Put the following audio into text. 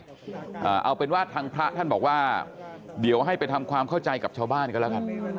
ท่านเพิ่งมาใหม่เอาเป็นวาดทางพระท่านบอกว่าเดี๋ยวให้ไปทำความเข้าใจกับชาวบ้านกันล่ะครับ